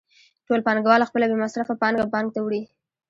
ټول پانګوال خپله بې مصرفه پانګه بانک ته وړي